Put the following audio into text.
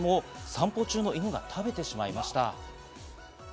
散歩中の犬が食べてしまいました。